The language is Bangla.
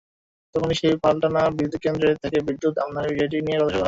তখনই সেই পালাটানা বিদ্যুৎকেন্দ্র থেকে বিদ্যুৎ আমদানির বিষয়টি নিয়ে কথা শুরু হয়।